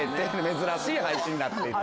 珍しい配置になっている。